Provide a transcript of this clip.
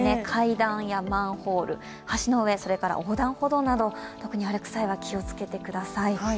階段やマンホール、橋の上、それから横断歩道など特に歩く際は気をつけてください。